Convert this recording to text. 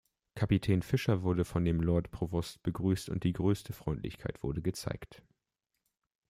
Kapitän Fischer wurde von dem Lord Provost begrüßt und „die grösste Freundlichkeit wurde gezeigt“.